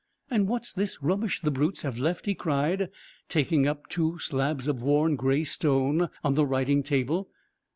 "And what's this rubbish the brutes have left?" he cried, taking up two slabs of worn gray stone, on the writing table.